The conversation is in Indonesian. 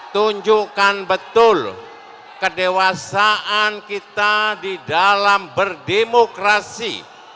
tunjukkan betul kedewasaan kita di dalam berdemokrasi